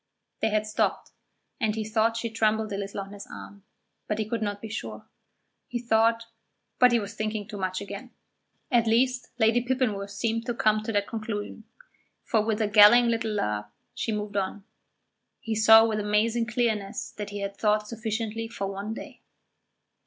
They had stopped, and he thought she trembled a little on his arm, but he could not be sure. He thought but he was thinking too much again; at least, Lady Pippinworth seemed to come to that conclusion, for with a galling little laugh she moved on. He saw with amazing clearness that he had thought sufficiently for one day.